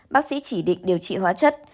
bác sĩ chỉ định điều trị hóa chất